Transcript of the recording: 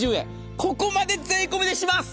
ここまで税込みでします。